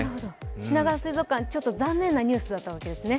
しながわ水族館、ちょっと残念なニュースだったわけですね。